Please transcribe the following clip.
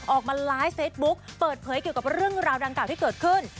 ออกมาไลฟ์เฟซบุ๊คเปิดเผยเกี่ยวกับเรื่องราวดังกล่าวที่เกิดขึ้น